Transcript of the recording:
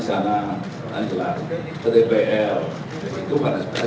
yaitu tegal urus